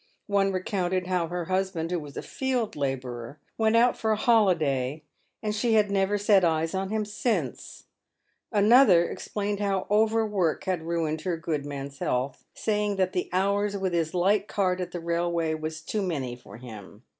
One recounted how her husband, who was a field labourer, went out for a holiday, and she had never "set eyes on him since;" another explained how overwork had ruined her good man's health, saying that " the hours with his light cart at the railway was too many for him."